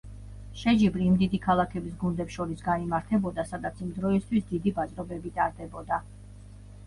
შეჯიბრი იმ დიდი ქალაქების გუნდებს შორის გაიმართებოდა, სადაც იმ დროისთვის დიდი ბაზრობები ტარდებოდა.